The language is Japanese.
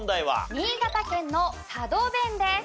新潟県の佐渡弁です。